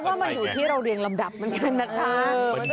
ว่ามันอยู่ที่เราเรียงลำดับเหมือนกันนะคะ